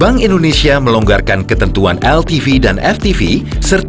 bank indonesia melonggarkan ketentuan kebijakan moneter tersebut